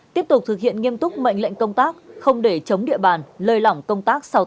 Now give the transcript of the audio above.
tiếp tục thực hiện nghiêm túc mệnh lệnh công tác không để chống địa bàn lời lỏng công tác sau tết